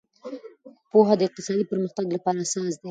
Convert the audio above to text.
پوهه د اقتصادي پرمختګ لپاره اساس دی.